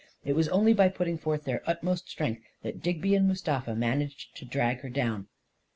. It was only by putting forth their utmost strength that Digby and Mustafa managed to drag her down.